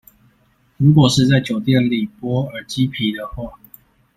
如果是在酒店裡剝耳機皮的話